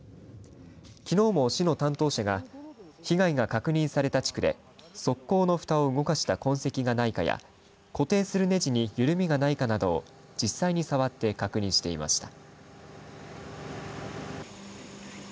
きのうも市の担当者が被害が確認された地区で側溝のふたを動かした痕跡がないかや固定する、ねじに緩みがないかなどを実際に触って確認していました。